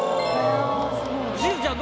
しずちゃん